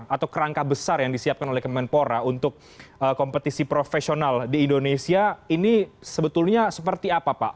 atau kerangka besar yang disiapkan oleh kemenpora untuk kompetisi profesional di indonesia ini sebetulnya seperti apa pak